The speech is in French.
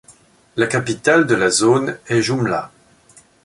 La capitale de la zone est Jumla.